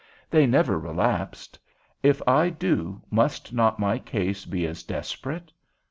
They never relapsed; if I do, must not my case be as desperate?